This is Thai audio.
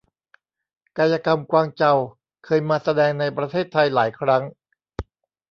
กายกรรมกวางเจา เคยมาแสดงในประเทศไทยหลายครั้ง